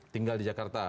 tinggal di jakarta